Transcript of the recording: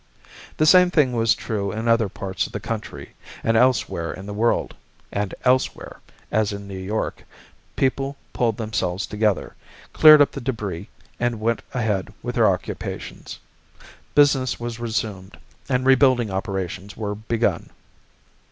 The same thing was true in other parts of the country and elsewhere in the world; and elsewhere, as in New York, people pulled themselves together, cleared up the debris, and went ahead with their occupations. Business was resumed, and rebuilding operations were begun.